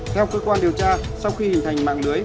theo cơ quan điều tra sau khi hình thành mạng lưới